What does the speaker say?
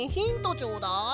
ちょうだい。